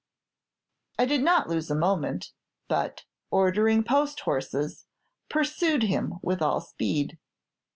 "I did not lose a moment, but, ordering post horses, pursued him with all speed.